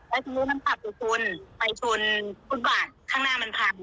แล้วทีนี้มันขับอยู่ชนไปชนฟุตบาทข้างหน้ามันพัง